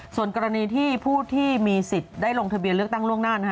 ส่วนกรณีที่ผู้ที่มีสิทธิ์ได้ลงทะเบียนเลือกตั้งล่วงหน้า